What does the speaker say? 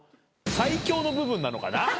最強の部分なのかな？